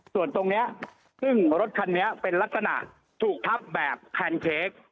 ส่วนตรงนี้ซึ่งรถคันนี้เป็นลักษณะถูกทับแบบแพนเค้ก